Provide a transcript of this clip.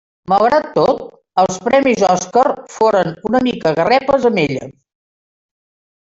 Malgrat tot, els premis Oscar foren una mica garrepes amb ella.